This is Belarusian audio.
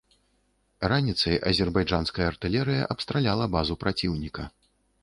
Раніцай азербайджанская артылерыя абстраляла базу праціўніка.